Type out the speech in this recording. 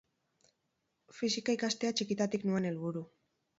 Fisika ikastea txikitatik nuen helburu.